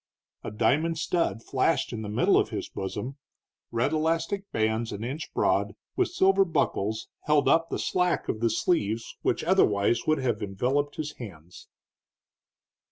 A diamond stud flashed in the middle of his bosom; red elastic bands an inch broad, with silver buckles, held up the slack of the sleeves which otherwise would have enveloped his hands.